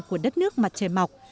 của đất nước mặt trời mọc